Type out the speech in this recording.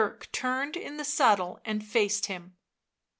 Dirk turned in the saddle and faced him.